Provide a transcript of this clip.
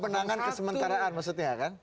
kemenangan kesementaraan maksudnya kan